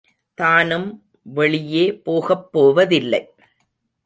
தானும் வெளியே போகப்போவதில்லை.